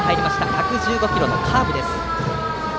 １１５キロのカーブです。